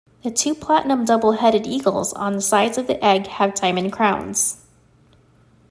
The two platinum double-headed eagles on the sides of the egg have diamond crowns.